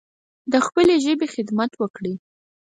د خپلې ژبې خدمت وکړﺉ